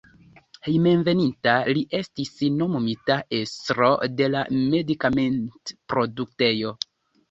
Hejmenveninta li estis nomumita estro de la medikamentproduktejo.